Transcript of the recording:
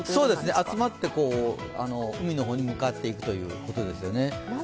集まって海の方に向かっていくということです。